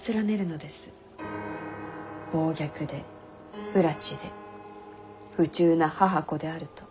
暴虐で不埒で不忠な母子であると。